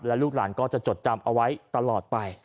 และลูกหลานก็จะจดจำเอาไว้ตลอดไป